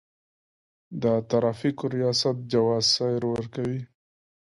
د ترافیکو ریاست جواز سیر ورکوي